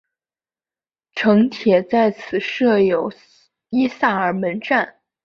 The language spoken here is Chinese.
城铁在此设有伊萨尔门站。